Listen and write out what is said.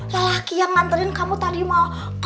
lelaki yang ngantuin kamu tadi mah